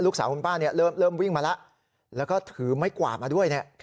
ลูกสาวคุณป้าเนี่ยเริ่มวิ่งมาแล้วแล้วก็ถือไม้กวาดมาด้วยเนี่ย